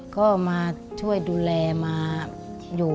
ก็มาช่วยดูแลมาอยู่